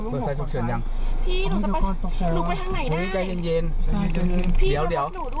เป็นไงลุกไปทางไหนได้